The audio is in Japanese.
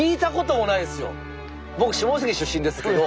僕下関出身ですけど。